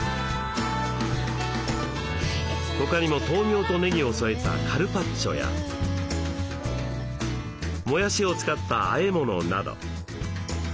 他にも豆苗とねぎを添えたカルパッチョやもやしを使ったあえ物など。